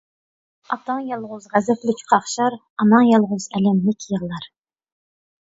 ئاتاڭ يالغۇز غەزەپلىك قاقشار، ئاناڭ يالغۇز ئەلەملىك يىغلار.